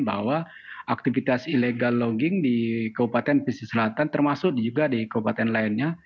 bahwa aktivitas illegal logging di kabupaten pesisir selatan termasuk juga di kabupaten lainnya